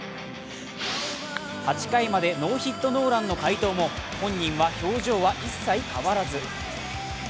８回までノーヒットノーランの快投も本人は表情は一切変わらず。